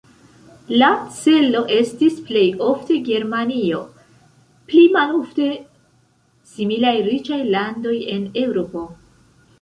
La celo estis plej ofte Germanio, pli malofte similaj riĉaj landoj en Eŭropo.